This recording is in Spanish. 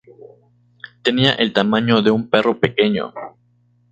Tenía el tamaño de un perro pequeño.